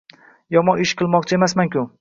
Yomon ish qilmoqchi emasmanku!